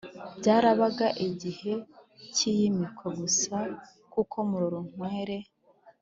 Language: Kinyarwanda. byarabaga igihe cy'iyimikwa gusa, kuko murorumkwere,